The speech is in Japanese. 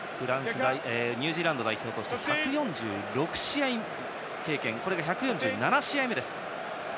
ニュージーランド代表として１４６試合の経験があり今日が１４７試合目。